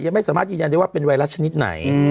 ยังไม่สามารถยืนยันได้ว่าเป็นไวรัสชนิดไหน